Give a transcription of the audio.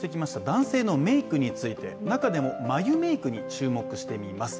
男性のメイクについて中でも眉メイクに注目してみます。